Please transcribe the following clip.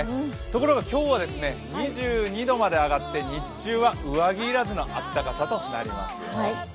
ところが今日は２２度まで上がって日中は上着いらずの暖かさとなりますよ。